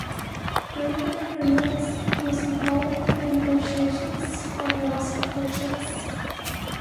During that period, he was involved in the negotiations for the Alaska Purchase.